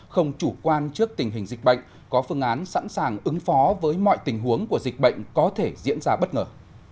không chủ quan trước tình hình dịch bệnh có phương án sẵn sàng ứng phó với mọi tình huống của dịch bệnh có thể diễn ra bất ngờ